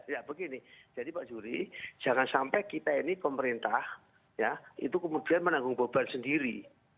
ya begini jadi pak juri jangan sampai kita ini pemerintah ya itu kemudian menanggung beban sendiri